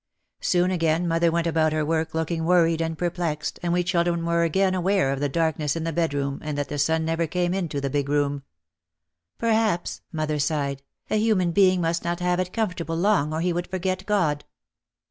Soon again mother went about her work looking worried and perplexed and we children were again aware of the darkness in the bedroom and that the sun never came into the big room. "Per OUT OF THE SHADOW 183 haps," mother sighed, "a human being must not have it comfortable long or he would forget God."